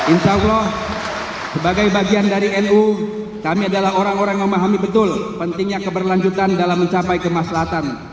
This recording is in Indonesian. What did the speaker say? insya allah sebagai bagian dari nu kami adalah orang orang yang memahami betul pentingnya keberlanjutan dalam mencapai kemaslahan